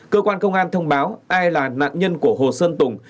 cơ quan công an thông báo ai là nạn nhân của hồ sơn tùng